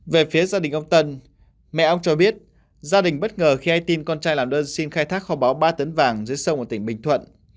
về phía gia đình ông tân mẹ ông cho biết gia đình bất ngờ khi ai tin con trai làm đơn xin khai thác kho báo ba tấn vàng dưới sông ở tỉnh bình thuận